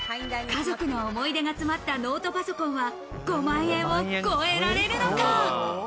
家族の思い出が詰まったノートパソコンは５万円を超えられるのか？